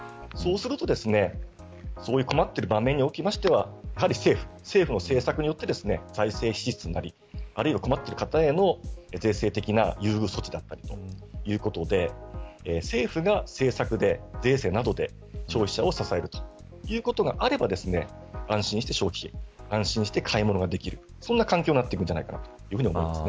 そうすると困っている場面におきましては政府の政策によって財政支出なり、困っている方への税制的な優遇措置だったりということで政府が政策で税制などで消費者を支えるといことがあれば、安全して安心して買い物ができるそんな環境になっていくと思います。